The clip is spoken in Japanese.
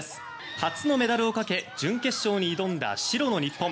初のメダルをかけ準決勝に挑んだ白の日本。